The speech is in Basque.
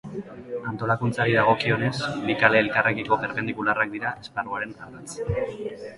Antolakuntzari dagokionez, bi kale elkarrekiko perpendikular dira esparruaren ardatz.